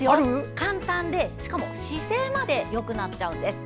簡単で、しかも姿勢までよくなっちゃうんです。